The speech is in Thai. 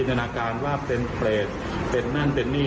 นานาการว่าเป็นเปรตเป็นนั่นเป็นนี่